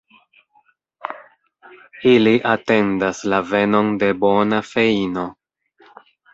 Ili atendas la venon de bona feino.